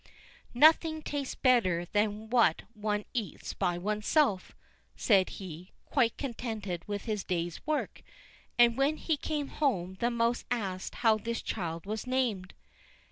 "Nothing tastes better than what one eats by one's self," said he, quite contented with his day's work; and when he came home the mouse asked how this child was named.